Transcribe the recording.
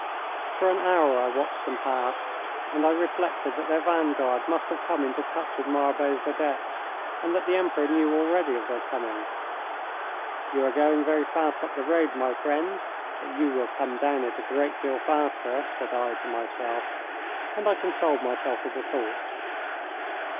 For an hour I watched them pass, and I reflected that their vanguard must have come into touch with Marbot's vedettes and that the Emperor knew already of their coming. "You are going very fast up the road, my friends, but you will come down it a great deal faster," said I to myself, and I consoled myself with the thought.